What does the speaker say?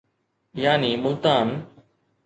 يعني ملتان